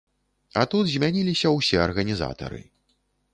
А тут змяніліся ўсе арганізатары.